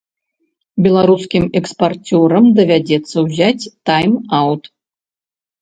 Беларускім экспарцёрам давядзецца ўзяць тайм-аўт.